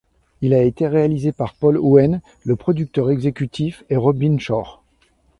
Il a été réalisé par Paul Hoen, le producteur exécutif est Robyn Schorr.